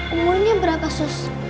umurnya berapa sus